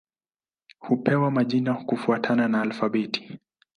Hupewa majina kufuatana na alfabeti.